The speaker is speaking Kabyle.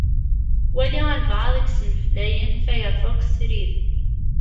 Wali albaɛḍ i yesneflayen Firefox srid.